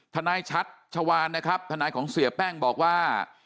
ทนายชัดชาวานนะครับทนายของเสียแป้งบอกว่า